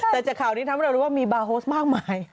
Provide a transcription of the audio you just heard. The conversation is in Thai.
แต่จากข่าวนี้ทำให้เรารู้ว่ามีบาร์โฮสมากมาย